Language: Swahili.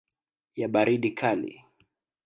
ya baridi kali.